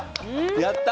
やった！